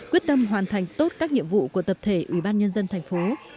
quyết tâm hoàn thành tốt các nhiệm vụ của tập thể ủy ban nhân dân thành phố